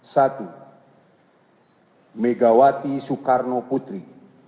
satu megawati soekarno putri